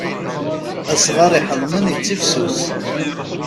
Asɣar iḥeḍmen ittifsus.